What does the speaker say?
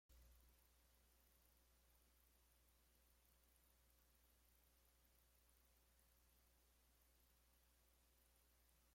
He also co-wrote the Patti Day song "Right Before My Eyes" with Alexander Forbes.